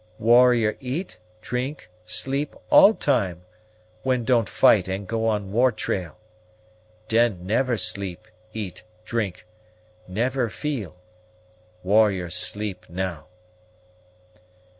Warrior eat, drink, sleep, all time, when don't fight and go on war trail. Den never sleep, eat, drink never feel. Warrior sleep now."